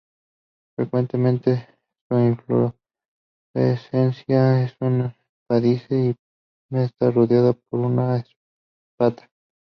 Frecuentemente su inflorescencia es un espádice y está rodeada por una espata.